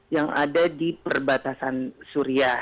yang ada di perbatasan suria